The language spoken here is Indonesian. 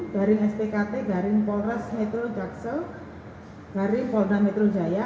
garing spkt garing polres metro jaksel dari polda metro jaya